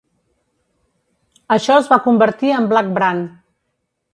Això es va convertir en Black Brant.